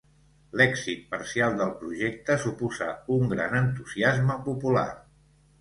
L'èxit parcial del projecte suposà un gran entusiasme popular.